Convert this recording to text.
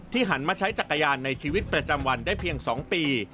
หันมาใช้จักรยานในชีวิตประจำวันได้เพียง๒ปี